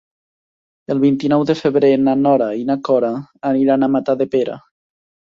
El vint-i-nou de febrer na Nora i na Cora aniran a Matadepera.